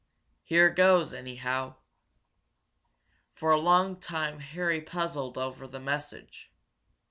Here goes, anyhow!" For a long time Harry puzzled over the message.